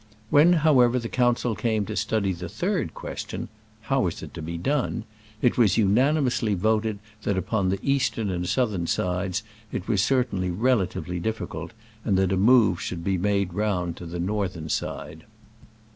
When, however, the council came to study the third ques tion, "How is it to be done?" it was unanimously voted that upon the eastern and southern sides it was certainly rela tively difficult, and that a move should be made round to the northern side.